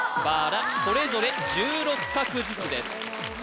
それぞれ１６画ずつです